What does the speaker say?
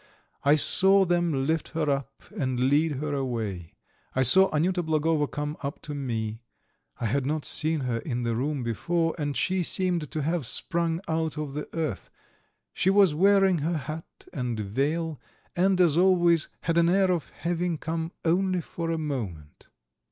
I saw them lift her up and lead her away. I saw Anyuta Blagovo come up to me; I had not seen her in the room before, and she seemed to have sprung out of the earth. She was wearing her hat and veil, and, as always, had an air of having come only for a moment.